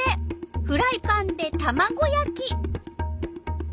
フライパンでたまご焼き。